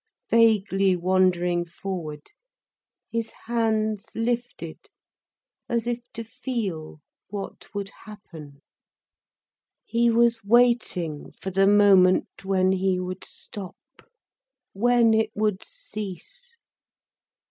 Vaguely wandering forward, his hands lifted as if to feel what would happen, he was waiting for the moment when he would stop, when it would cease.